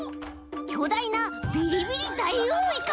きょだいなビリビリダイオウイカも！